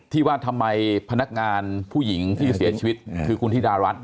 ที่ว่าทำไมพนักงานผู้หญิงที่เสียชีวิตคือคุณธิดารัฐ